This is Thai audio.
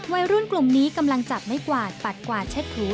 วัยรุ่นกลุ่มนี้กำลังจับไม้กวาดปัดกวาดเช็ดถู